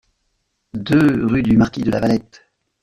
deux rue du Marquis de la Valette